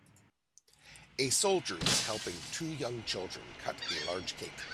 A soldier is helping two young children cut a large cake